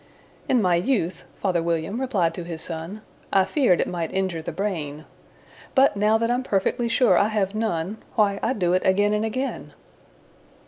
"In my youth," father William replied to his son, "I feared it might injure the brain; But, now that I'm perfectly sure I have none, Why, I do it again and again."